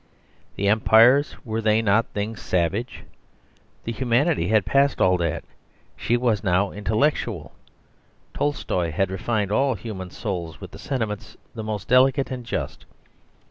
The Empires were they not things savage? The Humanity had passed all that; she was now intellectual. Tolstoy had refined all human souls with the sentiments the most delicate and just.